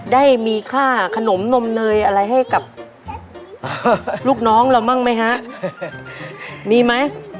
ได้มีค่าขนมนมเนยอะไรให้กับลูกน้องเราบ้างไหมฮะมีไหม